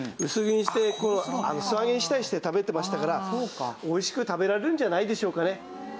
薄切りにして素揚げにしたりして食べてましたからおいしく食べられるんじゃないでしょうかね。